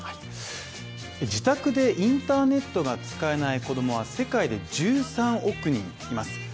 自宅でインターネットが使えない子供は世界で１３億人います。